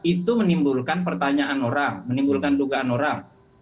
itu menimbulkan pertanyaan orang menimbulkan dugaan orang